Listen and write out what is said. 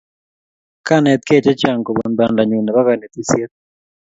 Kanetkei chechang kobun bandanyu nebo kanetisyet.